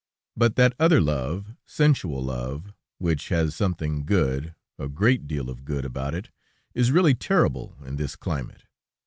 But that other love, sensual love, which has something good, a great deal of good about it, is really terrible in this climate.